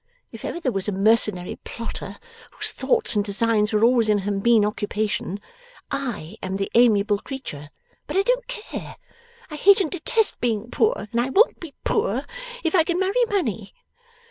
If ever there was a mercenary plotter whose thoughts and designs were always in her mean occupation, I am the amiable creature. But I don't care. I hate and detest being poor, and I won't be poor if I can marry money.